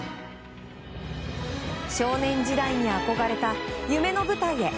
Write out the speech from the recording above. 少年時代に憧れた夢の舞台へ。